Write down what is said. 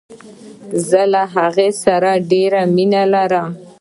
زه له هغې سره ډیره مینه لرم.